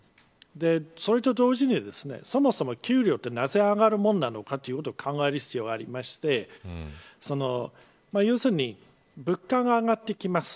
それと同時にそもそも給料はなぜ上がるものなのかということを考える必要がありまして要するに物価が上がってきます。